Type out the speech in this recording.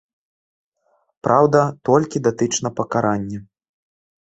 Праўда, толькі датычна пакарання.